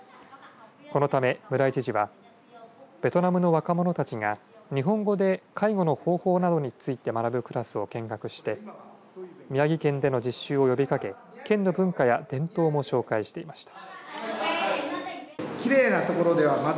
このため村井知事はベトナムの若者たちが日本語で介護の方法などについて学ぶクラスを見学して宮城県での実習を呼びかけ県の文化や伝統も紹介していました。